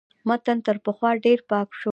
متن تر پخوا ډېر پاک شو.